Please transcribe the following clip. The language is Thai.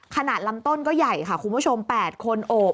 ลำต้นก็ใหญ่ค่ะคุณผู้ชม๘คนโอบ